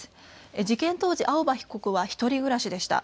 事件当時、青葉被告は１人暮らしでした。